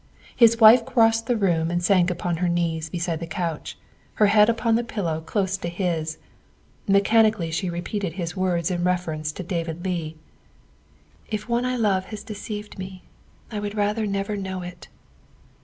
His wife crossed the room and sank upon her knees beside the couch, her head upon the pillow close to THE SECRETARY OF STATE 231 his. Mechanically she repeated his words in reference to David Leigh, '' If one I loved has deceived me, I would rather never know it."